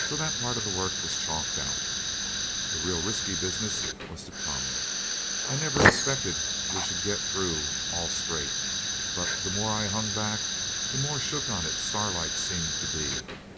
So that part of the work was chalked out. The real risky business was to come. I never expected we should get through all straight. But the more I hung back the more shook on it Starlight seemed to be.